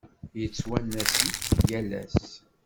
Yettwanas-ik yal ass.